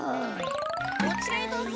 こちらへどうぞ。